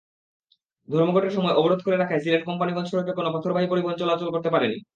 ধর্মঘটের সময় অবরোধ করে রাখায় সিলেট-কোম্পানীগঞ্জ সড়কে কোনো পাথরবাহী পরিবহন চলাচল করতে পারেনি।